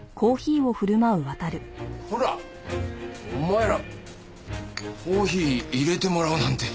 コラッお前らコーヒー淹れてもらうなんて。